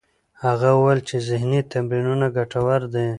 هغه وویل چې ذهنې تمرینونه ګټور دي.